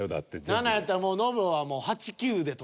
７やったらもうそうね。